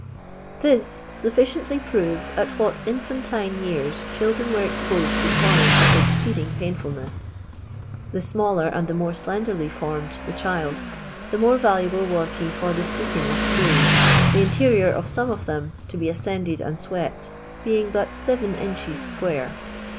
This suflicieiuly proves at what infantine years children were exposed to toils of exceeding pain ! fulness. The smaller and the more slenderly j formed the child, the more valuable was he for I the sweeping of flues, the interior of some of I them, to be ascended and swept, being but seven inclies square.